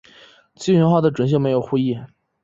旧型号的准星没有护翼。